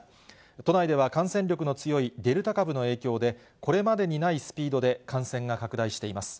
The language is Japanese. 都内では感染力の強いデルタ株の影響で、これまでにないスピードで感染が拡大しています。